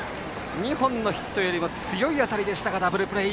２本のヒットよりも強い当たりでしたがダブルプレー。